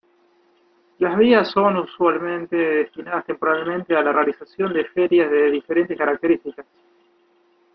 Las vías son usualmente destinadas temporalmente a la realización de ferias de diferentes características.